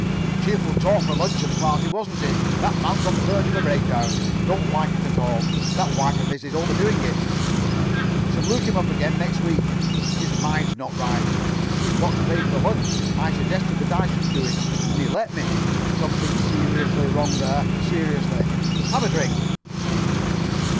"Cheerful talk for a luncheon party, wasn't it? That man's on the verge of a breakdown. Don't like it at all. That wife of his is overdoing it. Shall look him up again next week. His mind's not right. He forgot to pay for the lunch. I suggested that I should do it, and he let me. Something seriously wrong there. Seriously. Have a drink."